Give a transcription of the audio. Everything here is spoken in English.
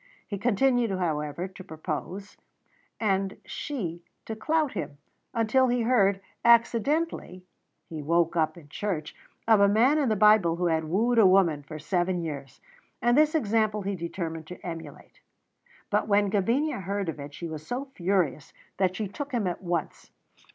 He continued, however, to propose and she to clout him until he heard, accidentally (he woke up in church), of a man in the Bible who had wooed a woman for seven years, and this example he determined to emulate; but when Gavinia heard of it she was so furious that she took him at once.